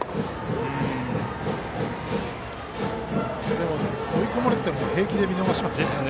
でも、追い込まれても平気で見逃しますね。